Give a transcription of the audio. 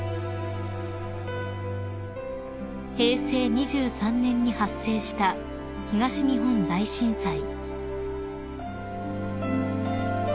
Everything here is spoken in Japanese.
［平成２３年に発生した東日本大震災］